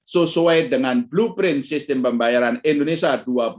sesuai dengan blueprint sistem pembayaran indonesia dua ribu dua puluh